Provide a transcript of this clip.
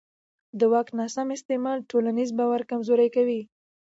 د واک ناسم استعمال ټولنیز باور کمزوری کوي